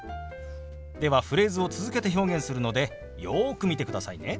ではフレーズを続けて表現するのでよく見てくださいね。